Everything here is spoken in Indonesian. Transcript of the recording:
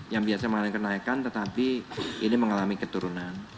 yang biasa mengalami kenaikan tetapi ini mengalami keturunan